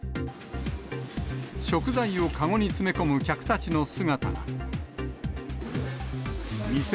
食材を籠に詰め込む客たちの姿が。